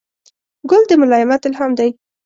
ګل د ملایمت الهام دی.